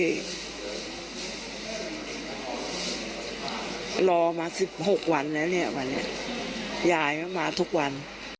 รอมา๑๖วันแล้วเนี่ยวันนี้ยายมาทุกวัน